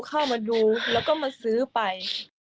เข้ามาดูแล้วก็มาซื้อไป